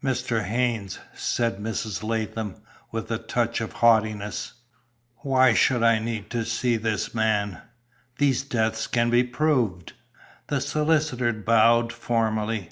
"Mr. Haynes," said Mrs. Latham, with a touch of haughtiness, "Why should I need to see this man? These deaths can be proved." The solicitor bowed formally.